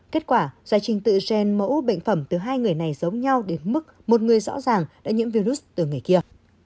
kết quả do trình tự gen mẫu bệnh phẩm từ hai người này giống nhau đến mức một người rõ ràng đã nhiễm virus từ người kia